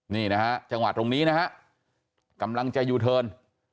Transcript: นี่นะฮะจังหวะตรงนี้นะฮะกำลังจะยูเทิร์น